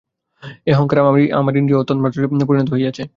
এই অহঙ্কার আবার ইন্দ্রিয় ও তন্মাত্রয় পরিণত হইয়াছে।